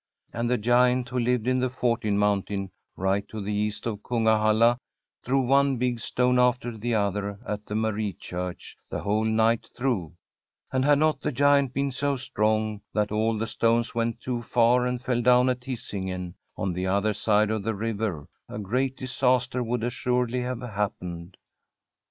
And the giant who lived in the Fortin mountain right to the east of Kungahalla threw one big stone after the other at the Marie Church the whole night through; and had not the giant been so strong that all the stones went too far and fell down at Hisingen, on the other side of the river, a great disaster would assuredly have happened.